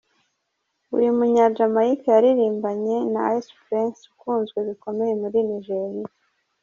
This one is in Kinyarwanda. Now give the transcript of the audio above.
Uyu Munya-Jamaica yaririmbanye na Ice Prince ukunzwe bikomeye muri Nigeria.